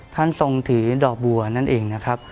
ท่านทรงถือดอกบัวนั่นเอง